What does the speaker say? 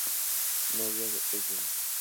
Novia de Ellen.